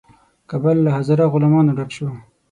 کابل له هزاره غلامانو ډک شو.